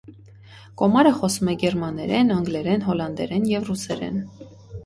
Կոմարը խոսում է գերմաներեն, անգլերեն, հոլանդերեն և ռուսերեն։